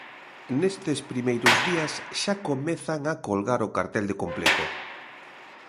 Nestes primeiros días xa comezan a colgar o cartel de completo.